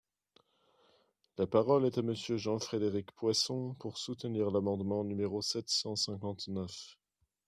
La parole est à Monsieur Jean-Frédéric Poisson, pour soutenir l’amendement numéro sept cent cinquante-neuf.